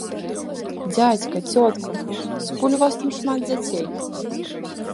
Дзядзька, цётка, скуль у вас так шмат дзяцей?